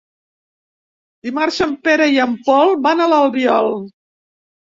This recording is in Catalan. Dimarts en Pere i en Pol van a l'Albiol.